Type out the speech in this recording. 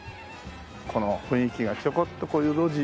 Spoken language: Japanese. この雰囲気がちょこっとこういう路地。